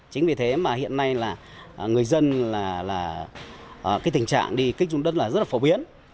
chính vì thế mà hiện nay người dân tình trạng đi kích dùng đất rất là phổ biến